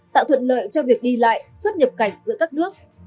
tạo thuận lợi cho việc đi lại xuất nhập cảnh giữa các nước